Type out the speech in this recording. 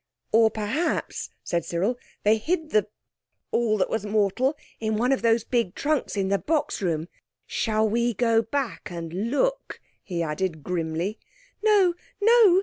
"Or perhaps," said Cyril, "they hid the—all that was mortal, in one of those big trunks in the box room. Shall we go back and look?" he added grimly. "No, no!"